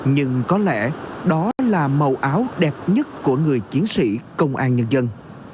nhưng có lẽ đó là màu áo đẹp nhất của người chiến sĩ công an nhân dân